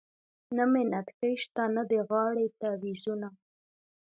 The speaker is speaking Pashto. نه مې نتکې شته نه د غاړې تعویذونه .